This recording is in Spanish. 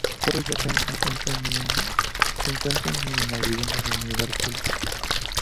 Por ello, apenas se encuentra ni en las viviendas ni en lugares públicos.